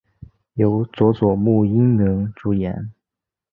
由佐佐木英明主演。